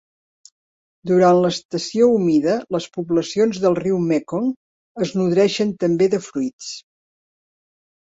Durant l'estació humida, les poblacions del riu Mekong es nodreixen també de fruits.